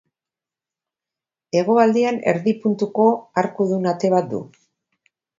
Hegoaldean erdi puntuko arkudun ate bat du.